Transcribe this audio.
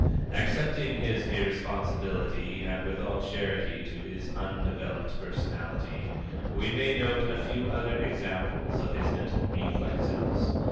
Accepting his irresponsibility, and with all charity to his undeveloped personality, we may note a few other examples of his mental reflexes.